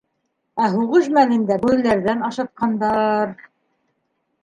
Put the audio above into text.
Ә һуғыш мәлендә - бүреләрҙән ашатҡандар...